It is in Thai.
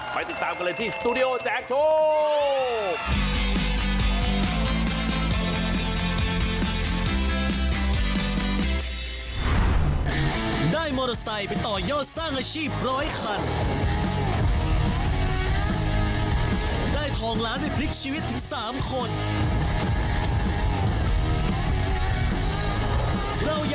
ติดตามกันเลยที่สตูดิโอแจกโชค